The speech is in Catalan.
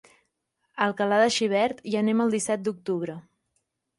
A Alcalà de Xivert hi anem el disset d'octubre.